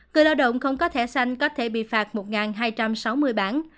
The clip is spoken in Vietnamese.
người lao động không có thẻ xanh có thể bị phạt một hai trăm sáu mươi bản